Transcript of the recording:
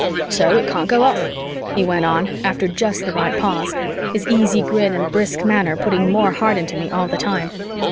"So it can't go off," he went on after just the right pause, his easy grin and brisk manner putting more heart into me all the time.